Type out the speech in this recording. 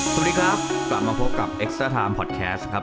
สวัสดีครับกลับมาพบกับเอ็กซเตอร์ไทม์พอดแคสต์ครับ